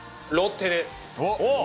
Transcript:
ロッテです。